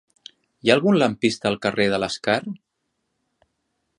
Hi ha algun lampista al carrer de l'Escar?